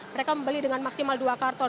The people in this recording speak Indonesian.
mereka membeli dengan maksimal dua karton